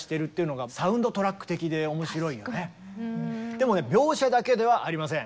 でもね描写だけではありません。